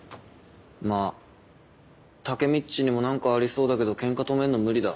まっタケミっちにも何かありそうだけどケンカ止めんのは無理だ。